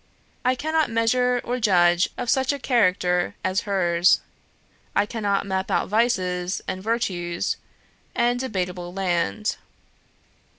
I cannot measure or judge of such a character as hers. I cannot map out vices, and virtues, and debatable land.